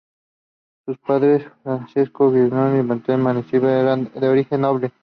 Sus padres, Francesco Giuliani y Benedetta Mancini, eran de origen noble.